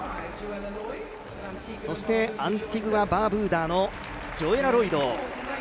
そしてアンティグア・バーブーダのジョエラ・ロイド。